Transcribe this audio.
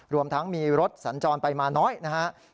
รวมทั้งมีรถสัญจรไปมาน้อยนะครับ